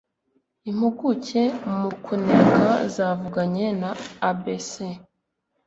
Impuguke mu kuneka zavuganye na ABC